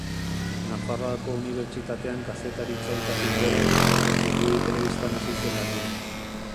Nafarroako Unibertsitatean kazetaritza ikasi ondoren, Txingudi Telebistan hasi zen lanean.